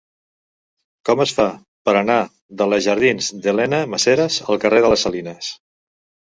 Com es fa per anar de la jardins d'Elena Maseras al carrer de les Salines?